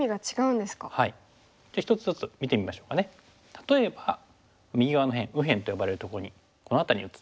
例えば右側の辺「右辺」と呼ばれるところにこの辺りに打つ。